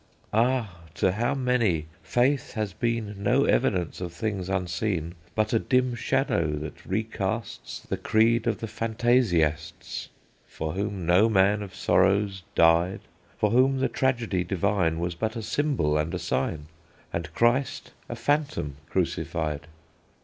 "Ah! to how many Faith has been No evidence of things unseen, But a dim shadow, that recasts The creed of the Phantasiasts, For whom no Man of Sorrows died, For whom the Tragedy Divine Was but a symbol and a sign, And Christ a phantom crucified!